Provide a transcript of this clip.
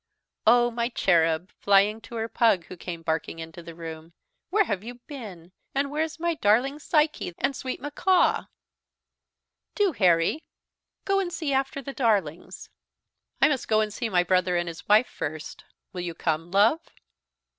Oh! my cherub!" flying to her pug, who came barking into the room "where have you been, and where's my darling Psyche, and sweet mackaw? Do, Harry, go and see after the darlings." "I must go and see my brother and his wife first. Will you come, love?"